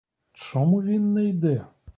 Чому він не йде?